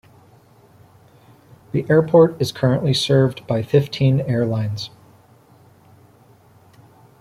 The airport is currently served by fifteen airlines.